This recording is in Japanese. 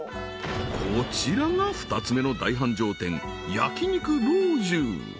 こちらが２つ目の大繁盛店焼肉老中